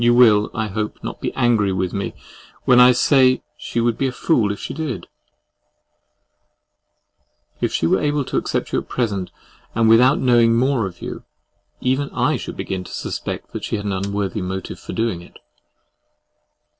You will, I hope, not be angry with me when I say that she would be a fool if she did. If she were to accept you at present, and without knowing more of you, even I should begin to suspect that she had an unworthy motive for doing it.